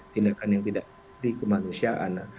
tindakan yang tidak di kemanusiaan